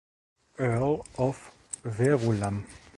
Earl of Verulam.